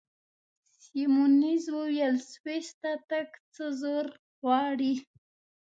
سیمونز وویل: سویس ته تګ څه زور غواړي؟